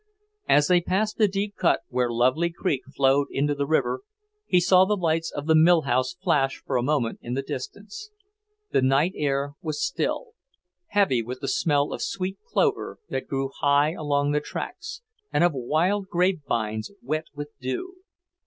As they passed the deep cut where Lovely Creek flowed into the river, he saw the lights of the mill house flash for a moment in the distance. The night air was still; heavy with the smell of sweet clover that grew high along the tracks, and of wild grapevines wet with dew.